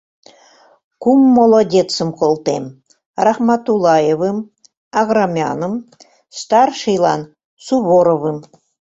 — Кум молодецым колтем: Рахматулаевым, Аграмяным, старшийлан — Суворовым!